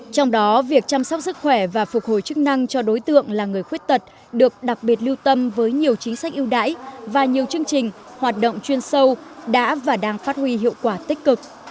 trong đó việc chăm sóc sức khỏe và phục hồi chức năng cho đối tượng là người khuyết tật được đặc biệt lưu tâm với nhiều chính sách ưu đãi và nhiều chương trình hoạt động chuyên sâu đã và đang phát huy hiệu quả tích cực